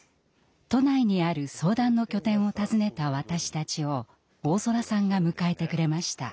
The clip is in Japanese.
都内にある相談の拠点を訪ねた私たちを大空さんが迎えてくれました。